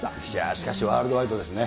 しかしワールドワイドですね。